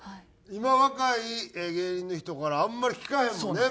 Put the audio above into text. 今若い芸人の人からあんまり聞かへんもんね